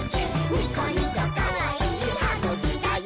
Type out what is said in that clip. ニコニコかわいいはぐきだよ！」